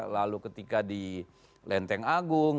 lalu ketika di lenteng agung